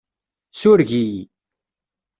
Sureg-iyi.